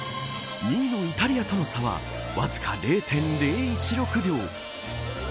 ２位のイタリアとの差はわずか０．０１６秒。